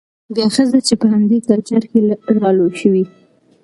بيا ښځه چې په همدې کلچر کې رالوى شوې،